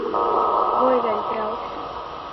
Voi vēļ brauksi?